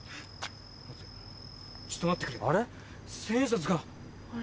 ちょっと待ってくれ。